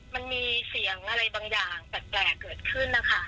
มันมีเสียงอะไรบางอย่างแปลกเกิดขึ้นนะคะ